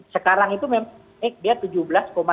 sekarang itu memang dia tujuh belas delapan persen